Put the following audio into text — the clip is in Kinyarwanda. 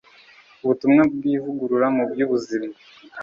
ubutumwa bw'ivugurura mu by'ubuzima